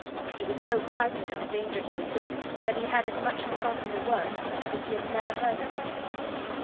He was so frightened at the danger he was in that he had as much forgotten the word as if he had never heard it.